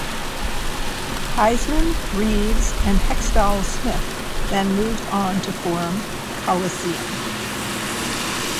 Hiseman, Reeves, and Heckstall-Smith then moved on to form Colosseum.